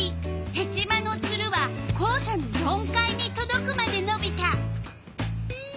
ヘチマのツルは校舎の４階にとどくまでのびた。